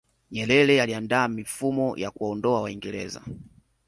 nyerere aliandaa mifumo ya kuwaondoa waingereza